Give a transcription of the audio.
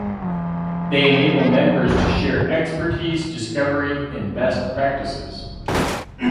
They enable members to share expertise, discovery and best practices.